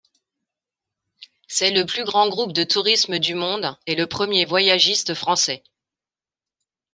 C'est le plus grand groupe de tourisme du monde et le premier voyagiste français.